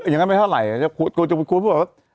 ยังงั้นไม่เท่าไหร่คุณพูดว่า